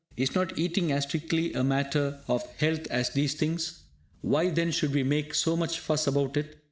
Is not eating as strictly a matter of health as these things? Why, then, should we make so much fuss about it?